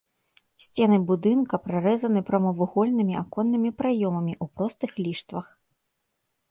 Сцены будынка прарэзаны прамавугольнымі аконнымі праёмамі ў простых ліштвах.